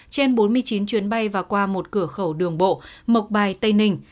trên bốn mươi chín chuyến bay và qua một cửa khẩu đường bộ mộc bài tây ninh